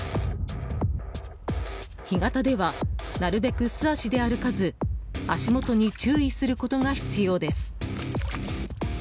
干潟では、なるべく素足で歩かず足元に注意することが必要です。